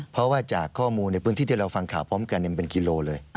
เพราะว่าจากข้อมูลในพื้นที่ที่เราฟังข่าวพร้อมกันมันเป็นกิโลเลย